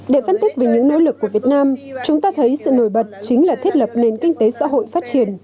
để phân tích về những nỗ lực của việt nam chúng ta thấy sự nổi bật chính là thiết lập nền kinh tế xã hội phát triển